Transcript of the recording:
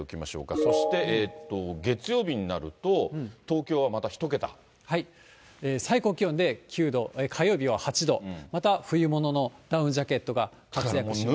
そして月曜日になると、最高気温で９度、火曜日は８度、また冬物のダウンジャケットが活躍します。